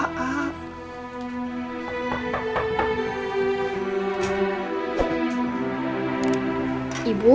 tidak ada yang bisa dibeliin